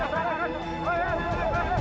hantuk diri semua